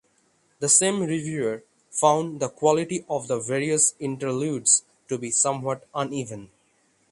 The same reviewer found the quality of the various interludes to be somewhat uneven.